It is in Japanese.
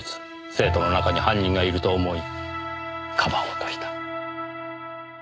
生徒の中に犯人がいると思いかばおうとした。